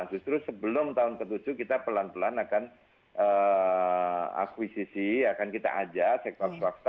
justru sebelum tahun ke tujuh kita pelan pelan akan akuisisi akan kita ajak sektor swasta